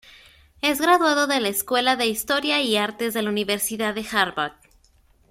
Es graduado de la Escuela de Historia y Artes de la Universidad de Harvard.